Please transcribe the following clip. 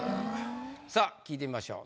さあ聞いてみましょう。